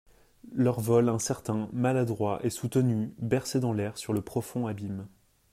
Leur vol incertain, maladroit, est soutenu, bercé dans l'air sur le profond abîme.